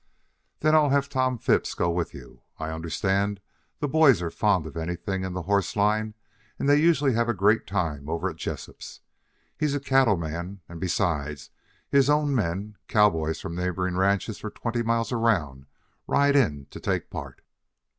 "Then I'll have Tom Phipps go with you. I understand the boys are fond of anything in the horse line, and they usually have a great time over at Jessup's. He is a cattle man and, besides his own men, cowboys from neighboring ranches for twenty miles around ride in to take part."